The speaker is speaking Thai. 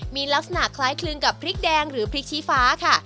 มีลักษณะคล้ายคลึงกับพริกแดงหรือพริกชี้ฟ้าค่ะ